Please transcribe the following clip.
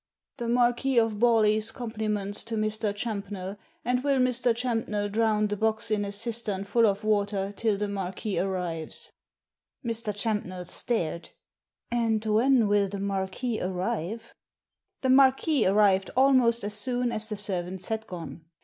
"The Marquis of Bewlay's compliments to Mr. Champnell, and will Mr. Champnell drown the box in a cistern full of water, till the Marquis arrives.* Mr. Champnell stared. "And when will the Marquis arrive ?" The Marquis arrived almost as soon as the servants had gone.